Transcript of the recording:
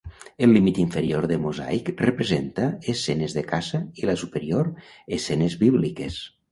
El límit inferior de mosaic representa escenes de caça i la superior escenes bíbliques.